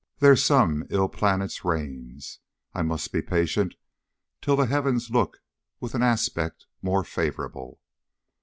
There's some ill planet reigns; I must be patient till the heavens look With an aspect more favorable.